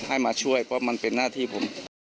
ให้มาช่วยเพราะมันเป็นหน้าที่ผม